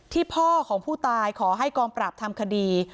พ่อของผู้ตายขอให้กองปราบทำคดี